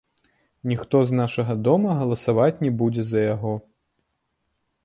Ніхто з нашага дома галасаваць не будзе за яго.